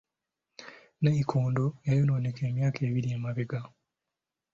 Nnayikondo yayonooneka emyaka ebiri emabega.